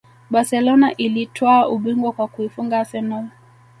Barcelona ilitwaa ubingwa kwa kuifunga arsenal